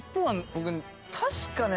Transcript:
僕確かね